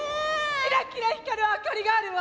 キラキラ光る明かりがあるわ！